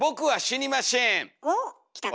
おっきたか？